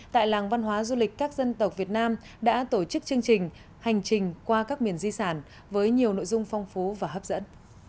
tại làng văn hóa du lịch các dân tộc việt nam đã tổ chức chương trình hành trình qua các miền di sản với nhiều nội dung phong phú và hấp dẫn